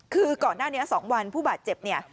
คือก่อนหน้านี้๒วันผู้บาดเจ็บเนี่ย